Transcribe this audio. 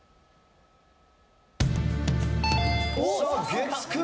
月９！